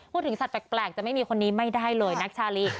สัตว์แปลกจะไม่มีคนนี้ไม่ได้เลยนักชาลี